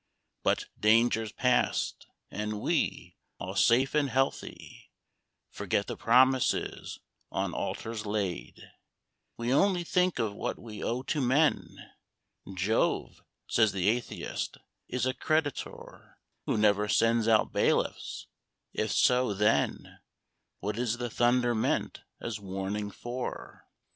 But, dangers passed, and we, all safe and healthy, Forget the promises on altars laid; We only think of what we owe to men. Jove, says the atheist, is a creditor Who never sends out bailiffs; if so, then What is the thunder meant as warning for?